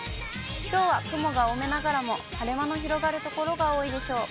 きょうは雲が多めながらも、晴れ間の広がる所が多いでしょう。